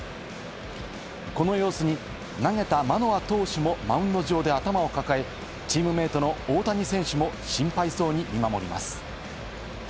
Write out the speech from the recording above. この様子に投げたマノア投手もマウンド上で頭を抱え、チームメートの大谷選手も心配そうに見守ります。